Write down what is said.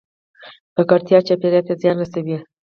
ککړتیا چاپیریال ته زیان رسوي